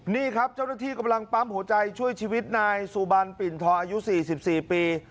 นี่ครับเจ้าหน้าที่กำลังปั๊มหัวใจช่วยชีวิตนายสุบันปิ่นทองอายุ๔๔ปี